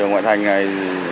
ngoại thành này